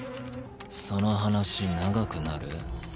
その話長くなる？